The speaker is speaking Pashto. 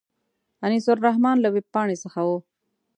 انیس الرحمن له وېبپاڼې څخه و.